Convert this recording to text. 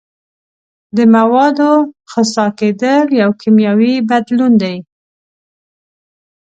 د موادو خسا کیدل یو کیمیاوي بدلون دی.